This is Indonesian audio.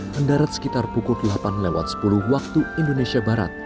mendarat sekitar pukul delapan lewat sepuluh waktu indonesia barat